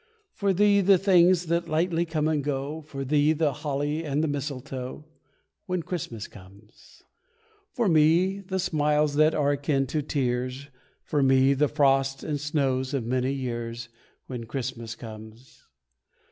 For thee, the things that lightly come and go, For thee, the holly and the mistletoe, When Christmas comes. For me, the smiles that are akin to tears, For me, the frost and snows of many years, When Christmas comes.